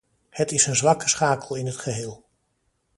Het is een zwakke schakel in het geheel.